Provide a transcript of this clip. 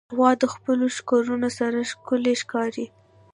غوا د خپلو ښکرونو سره ښکلي ښکاري.